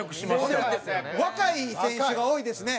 ほんで若い選手が多いですね。